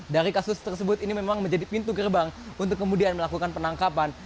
dari kasus tersebut ini memang menjadi pintu gerbang untuk kemudian melakukan penangkapan